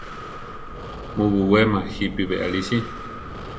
Mu buwéma jípi beʼalí si.